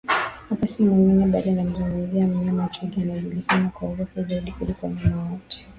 Hapa si mwingine bali namzungumzia mnyama Twiga anaejulikana kwa urefu Zaidi kuliko wanyama wote